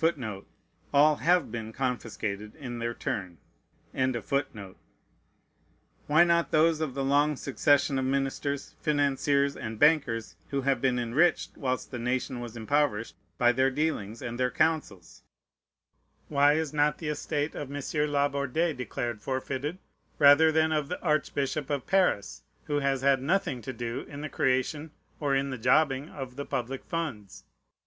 Why not those of the long succession of ministers, financiers, and bankers who have been enriched whilst the nation was impoverished by their dealings and their counsels? Why is not the estate of M. Laborde declared forfeited rather than of the Archbishop of Paris, who has had nothing to do in the creation or in the jobbing of the public funds?